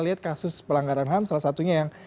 lihat kasus pelanggaran ham salah satunya yang